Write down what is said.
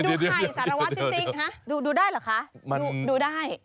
ดูไข่สารวัตรจริงฮะดูได้เหรอคะดูได้